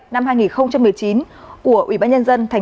năm hai nghìn một mươi chín của ubnd